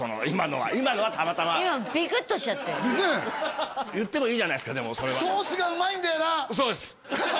今のは今のはたまたま今ビクッとしちゃって言ってもいいじゃないすかでもソースが旨いんだよな